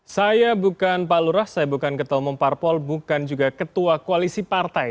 saya bukan pak lurah saya bukan ketua umum parpol bukan juga ketua koalisi partai